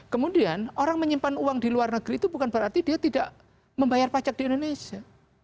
kemudian orang menyimpan uang di luar negeri itu bukan berarti dia tidak membayar pajak di indonesia